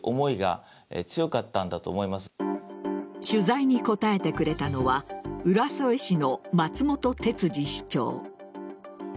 取材に答えてくれたのは浦添市の松本哲治市長。